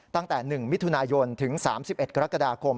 ตั้งแต่๑มิถุนายนถึง๓๑กรกฎาคม